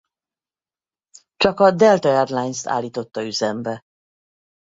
Csak a Delta Airlines állította üzembe.